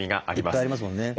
いっぱいありますもんね。